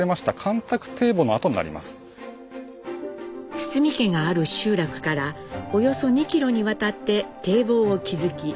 堤家がある集落からおよそ２キロにわたって堤防を築き干拓。